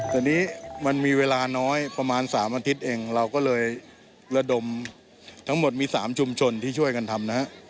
แต่นี้มันมีเวลาน้อยประมาณ๓อาทิตย์เองเราก็เลยระดมทั้งหมดมี๓ชุมชนที่ช่วยกันทำนะฮะ